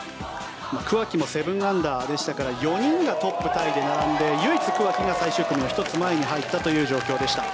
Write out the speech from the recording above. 桑木も７アンダーでしたから４人がトップタイで並んで唯一、桑木が最終組の１つ前に入ったという状況でした。